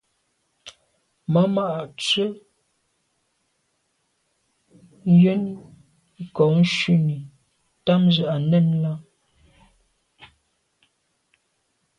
Màmá à’ tswə́ yə́n kɔ̌ shúnì támzə̄ à nɛ̌n lá’.